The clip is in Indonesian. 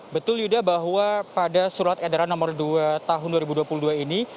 betul yuda bahwa pada surat edaran nomor dua tahun dua ribu dua puluh dua ini